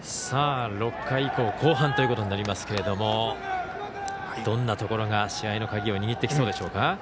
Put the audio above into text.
６回後半ということになりますけれどもどんなところが試合の鍵を握ってきそうでしょうか。